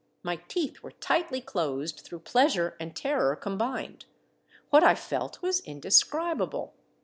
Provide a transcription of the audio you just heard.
My teeth were tightly closed through pleasure and terror combined ; what I felt was indescribable.